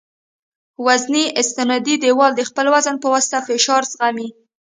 وزني استنادي دیوال د خپل وزن په واسطه فشار زغمي